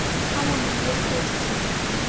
থামুন, বের করছি।